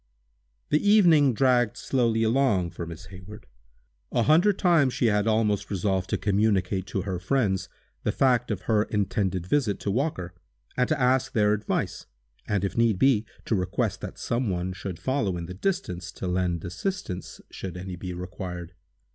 The evening dragged slowly along for Miss Hayward. A hundred times she had almost resolved to communicate to her friends the fact of her intended visit to Walker, and to ask their advice, and, if need be, to request that some one should follow in the distance, to lend assistance, should any be required.